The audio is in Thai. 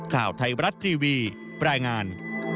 ข่าวไทยบรัฐทีวีรายงาน